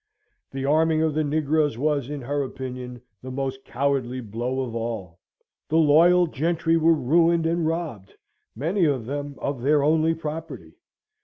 The arming of the negroes was, in her opinion, the most cowardly blow of all. The loyal gentry were ruined, and robbed, many of them, of their only property.